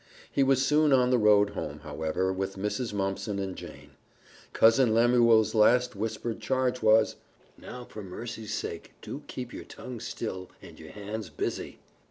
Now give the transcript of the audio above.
He was soon on the road home, however, with Mrs. Mumpson and Jane. Cousin Lemuel's last whispered charge was, "Now, for mercy's sake, do keep your tongue still and your hands busy."